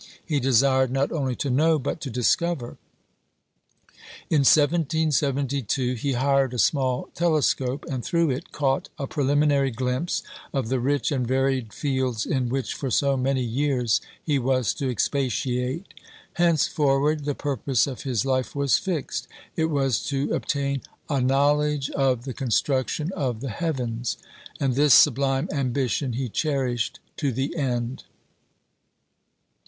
He desired not only to know, but to discover. In 1772 he hired a small telescope, and through it caught a preliminary glimpse of the rich and varied fields in which for so many years he was to expatiate. Henceforward the purpose of his life was fixed: it was to obtain "a knowledge of the construction of the heavens"; and this sublime ambition he cherished to the end.